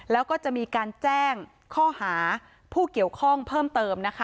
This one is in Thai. แล้วก็จะมีการแจ้งข้อหาผู้เกี่ยวข้องเพิ่มเติมนะคะ